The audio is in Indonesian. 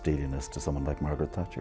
dengan seseorang seperti margaret thatcher